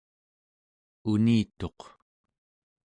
unituq